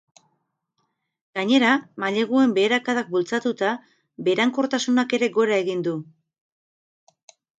Gainera, maileguen beherakadak bultzatuta, berankortasunak ere gora egin du.